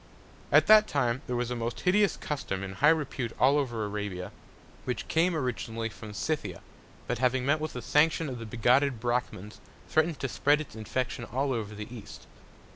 At that Time there was a most hideous Custom in high Repute all over Arabia, which came originally from Scythia; but having met with the Sanction of the bigotted Brachmans, threatn'd to spread its Infection all over the East.